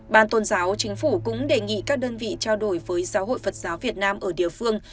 ban tôn giáo chính phủ cũng đề nghị các đơn vị trao đổi với giáo hội phật giáo việt nam ở địa phương